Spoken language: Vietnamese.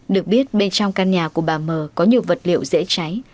được biết bên trong căn nhà của bà mờ có nhiều vật liệu dễ cháy